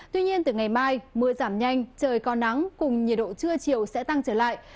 tuy nhiên từ ngày mai mưa giảm nhanh trời có nắng cùng nhiệt độ trưa chiều sẽ tăng trở lại